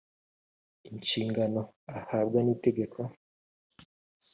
inshingano bahabwa n’ itegeko